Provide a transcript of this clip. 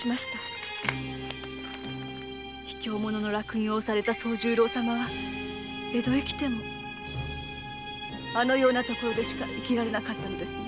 卑怯者の烙印を押された惣十郎様は江戸へ来てもあのような所でしか生きられなかったのですね。